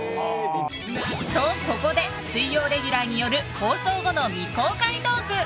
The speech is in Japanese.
ここで水曜レギュラーによる放送後の未公開トーク！